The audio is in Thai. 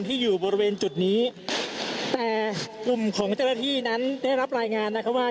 ที่อยู่บริเวณจุดนี้แต่กลุ่มของเจ้าหน้าที่นั้นได้รับรายงานนะคะว่า